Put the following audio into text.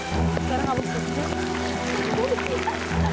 sekarang kamu pergi dari sini